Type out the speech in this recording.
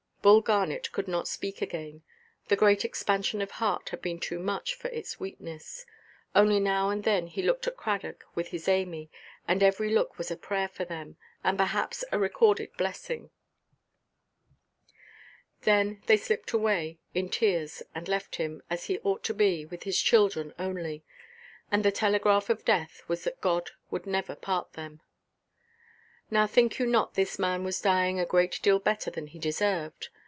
Bull Garnet could not speak again. The great expansion of heart had been too much for its weakness. Only now and then he looked at Cradock with his Amy, and every look was a prayer for them, and perhaps a recorded blessing. Then they slipped away, in tears, and left him, as he ought to be, with his children only. And the telegraph of death was that God would never part them. Now, think you not this man was dying a great deal better than he deserved?